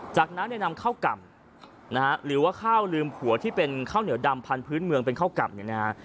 จากนั้นเนี่ยนำข้าวก่ำหรือว่าข้าวลืมหัวที่เป็นข้าวเหนียวดำพันธุ์พื้นเมืองเป็นข้าวก่ำ